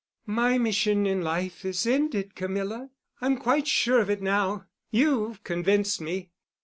"My mission in life is ended, Camilla. I'm quite sure of it now. You've convinced me.